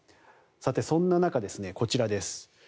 そんな中、こちらです。